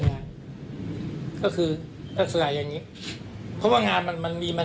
งานก็คือลักษณะอย่างงี้เพราะว่างานมันมันมีมัน